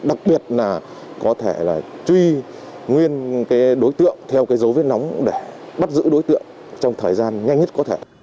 đặc biệt là có thể là truy nguyên cái đối tượng theo cái dấu vết nóng để bắt giữ đối tượng trong thời gian nhanh nhất có thể